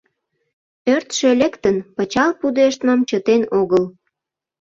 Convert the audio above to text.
Ӧртшӧ лектын, пычал пудештмым чытен огыл.